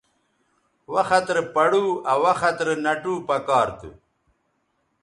وخت رے پڑو آ وخت رے نَٹو پکار تھو